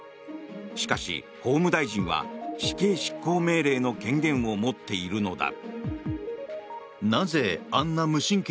しかし、法務大臣は死刑執行命令の権限を持っているのだ。